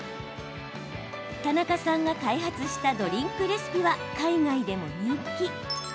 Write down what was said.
田中さんが開発したドリンクレシピは海外でも人気。